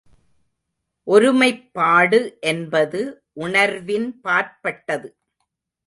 ஒருமைப்பாடு என்பது உணர்வின் பாற்பட்டது.